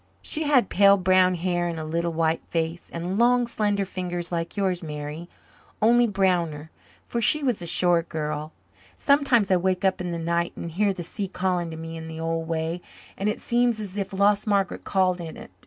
She had pale brown hair and a little white face, and long slender fingers like yours, Mary, only browner, for she was a shore girl. Sometimes I wake up in the night and hear the sea calling to me in the old way and it seems as if lost Margaret called in it.